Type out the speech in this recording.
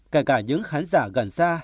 kể cả những khán giả gần xa